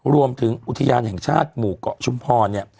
รวมถึงอุทยานแห่งชาติหมู่เกาะชุมพร